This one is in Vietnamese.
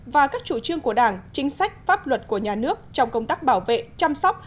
và các chủ trương của đảng chính sách pháp luật của nhà nước trong công tác bảo vệ chăm sóc